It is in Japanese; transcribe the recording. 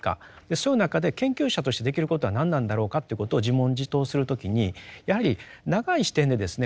そういう中で研究者としてできることは何なんだろうかということを自問自答する時にやはり長い視点でですね